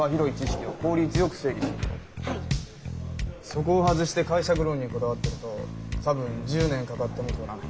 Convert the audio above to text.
そこを外して解釈論にこだわってると多分１０年かかっても通らない。